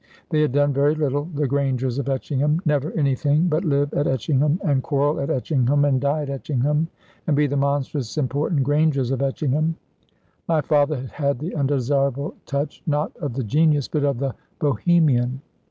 They had done very little, the Grangers of Etchingham never anything but live at Etchingham and quarrel at Etchingham and die at Etchingham and be the monstrous important Grangers of Etchingham. My father had had the undesirable touch, not of the genius, but of the Bohemian.